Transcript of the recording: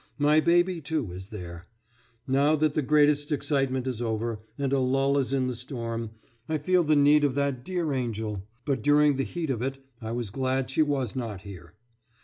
My baby, too, is there. Now that the greatest excitement is over, and a lull is in the storm, I feel the need of that dear angel; but during the heat of it I was glad she was not here.